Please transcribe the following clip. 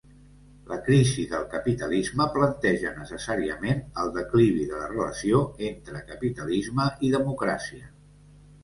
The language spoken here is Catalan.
La crisi del capitalisme planteja necessàriament el declivi de la relació entre capitalisme i democràcia.